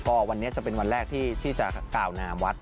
ก็วันนี้จะเป็นวันแรกที่จะกล่าวนามวัด